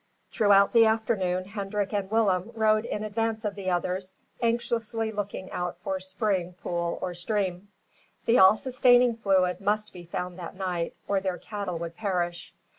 Throughout the afternoon Hendrik and Willem rode in advance of the others, anxiously looking out for spring, pool, or stream. The all sustaining fluid must be found that night, or their cattle would perish.